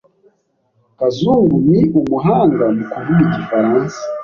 Kazungu ni umuhanga mu kuvuga igifaransa.